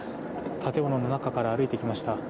建物の中から歩いてきました。